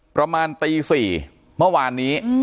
ประมาณตี๔เมื่อวานนี้